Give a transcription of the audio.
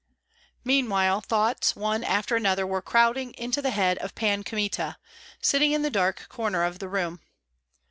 Meanwhile thoughts one after another were crowding to the head of Pan Kmita, sitting in the dark corner of the room.